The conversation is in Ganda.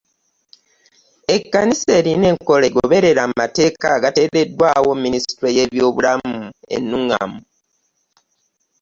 Ekkanisa erina enkola egoberera amateeka agateereddwawo minisitule y'ebyobulamu ennungamu